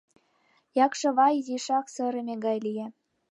Якшывай изишак сырыме гай лие.